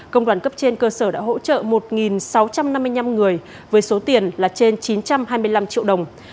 công đoàn cấp trên cơ sở đã hỗ trợ một sáu trăm năm mươi năm người với số tiền là trên chín trăm hai mươi năm triệu đồng